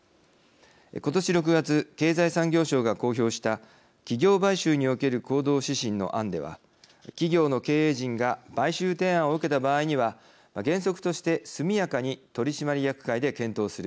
今年６月経済産業省が公表した企業買収における行動指針の案では企業の経営陣が買収提案を受けた場合には原則として速やかに取締役会で検討する。